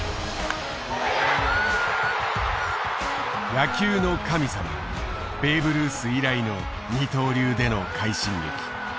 野球の神様ベーブ・ルース以来の二刀流での快進撃。